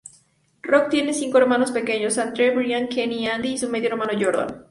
Rock tiene cinco hermanos pequeños: Andre, Brian, Kenny, Andi, y su medio hermano Jordan.